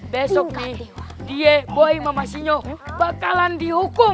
besoknya dia boy mama sinyo bakalan dihukum